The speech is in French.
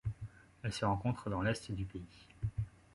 Elle se rencontre dans l'est du pays.